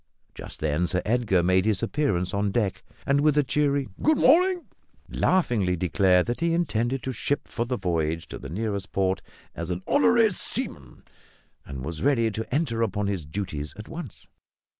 Just then Sir Edgar made his appearance on deck, and, with a cheery "good morning," laughingly declared that he intended to ship for the voyage to the nearest port as an "honorary seaman," and was ready to enter upon his duties at once.